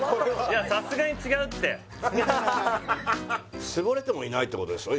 さすがに違うって絞れてもいないってことでしょ